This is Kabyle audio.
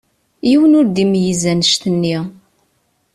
Yiwen ur d-imeyyez annect-nni.